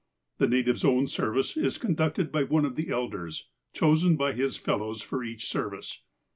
The natives' own service is conducted by one of the elders, chosen by his fellows for each service.